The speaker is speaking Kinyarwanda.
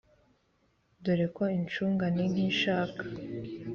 dore ko ishungana nk’ishaka